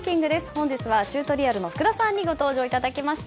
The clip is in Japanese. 本日はチュートリアルの福田さんにご登場いただきました。